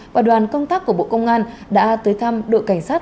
và đoàn công tác của bộ công an đã tới thăm đội cảnh sát